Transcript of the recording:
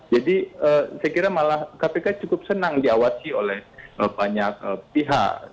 jadi saya kira malah kpk cukup senang diawasi oleh banyak pihak